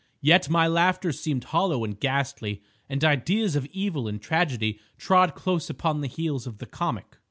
Yet my laughter seemed hollow and ghastly, and ideas of evil and tragedy trod close upon the heels of the comic.